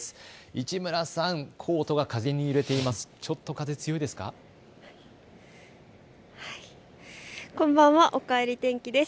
市村さん、コートが風に揺れています。